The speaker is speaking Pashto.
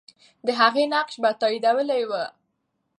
د هغې نقش به تاییدېدلی وو.